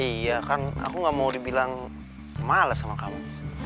iya kan aku gak mau dibilang malas sama kamu